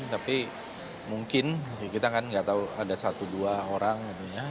tapi mungkin kita kan nggak tahu ada satu dua orang